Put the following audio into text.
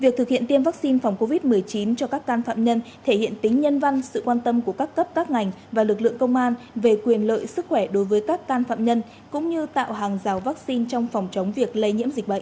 việc thực hiện tiêm vaccine phòng covid một mươi chín cho các can phạm nhân thể hiện tính nhân văn sự quan tâm của các cấp các ngành và lực lượng công an về quyền lợi sức khỏe đối với các can phạm nhân cũng như tạo hàng rào vaccine trong phòng chống việc lây nhiễm dịch bệnh